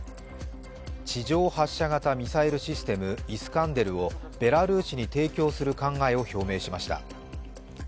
地上発射型ミサイルシステムイスカンデルをベラルーシに提供する考えを表明しました。